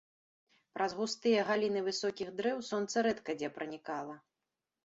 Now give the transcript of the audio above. Праз густыя галіны высокіх дрэў сонца рэдка дзе пранікала.